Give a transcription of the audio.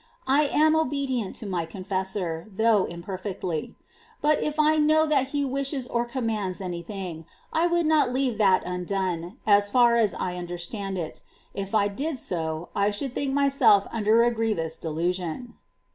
I am obe dient to my confessor, 1 though imperfectly; but if I know that he wishes or commands any thing, I would not leave that undone, so far as I understand it ; if I did so, I should think myself under a grievous delusion.